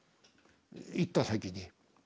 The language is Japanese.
行った先で。